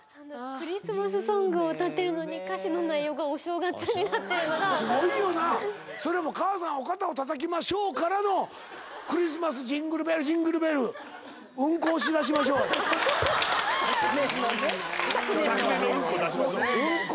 クリスマスソングを歌ってるのに歌詞の内容がお正月になってるのがすごいよなそれも「母さんお肩をたたきましょう」からの「クリスマスジングルベルジングルベル」「うんこ押し出しましょう」やで「うんこ」